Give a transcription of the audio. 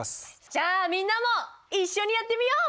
じゃあみんなも一緒にやってみよう！